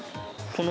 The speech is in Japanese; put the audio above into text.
この。